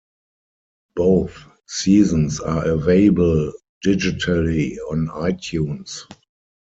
Both seasons are available digitally on iTunes.